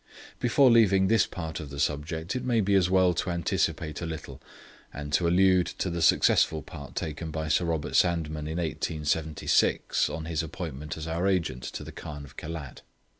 Before leaving this part of the subject, it may be as well to anticipate a little and to allude to the successful part taken by Sir Robert Sandeman in 1876 on his appointment as our agent to the Khan of Khelat.